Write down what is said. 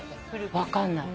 分かんない。